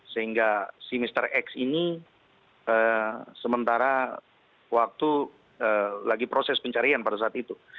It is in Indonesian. sehingga si mr x ini sementara waktu lagi proses pencarian pada saat itu